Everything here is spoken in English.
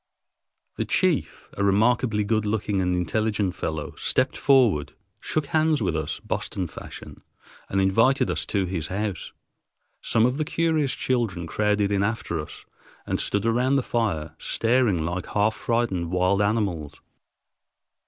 The chief, a remarkably good looking and intelligent fellow, stepped forward, shook hands with us Boston fashion, and invited us to his house. Some of the curious children crowded in after us and stood around the fire staring like half frightened wild animals.